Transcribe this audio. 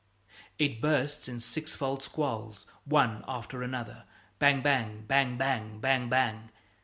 It bursts in sixfold squalls, one after another bang, bang, bang, bang, bang, bang.